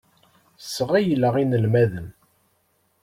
Sɣeyleɣ inelmaden.